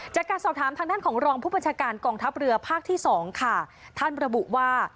จากการสอบถามทางด้านของรองผู้บัญชาการกองทัพเรือภาคที่สองค่ะท่านระบุว่า